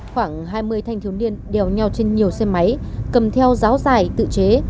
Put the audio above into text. khoảng hai mươi thanh thiếu niên đèo nhau trên nhiều xe máy cầm theo giáo giải tự chế